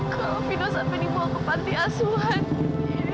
kalau fino sampai ini mau ke panti asuhan